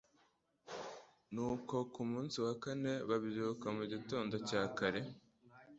nuko ku munsi wa kane babyuka mu gitondo cya kare